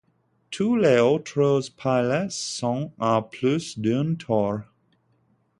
Tous les autres pilotes sont à plus d'un tour.